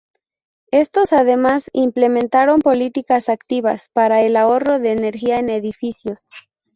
Estos además implementaron políticas activas para el ahorro de energía en edificios.